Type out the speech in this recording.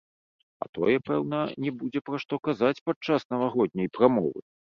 А тое, пэўна, не будзе пра што казаць падчас навагодняй прамовы.